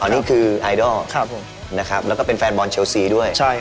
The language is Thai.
นี่คืออัลจริงแฟนบอลเชียลซีด้วย